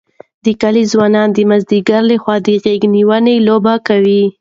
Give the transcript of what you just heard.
د کلي ځوانان د مازدیګر لخوا د غېږ نیونې لوبه کوي.